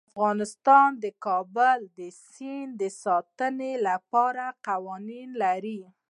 افغانستان د کابل سیند د ساتنې لپاره قوانین لري.